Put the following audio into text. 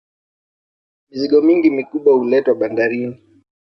mizigo mingi mikubwa huletwa bandarini